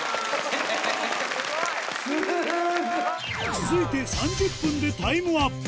続いて３０分でタイムアップ